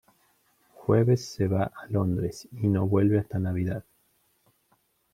Jueves se va a Londres y no vuelve hasta Navidad.